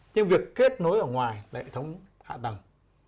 nhưng việc kết nối ở ngoài hệ thống hạ tầng